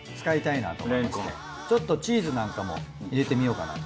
ちょっとチーズなんかも入れてみようかなと。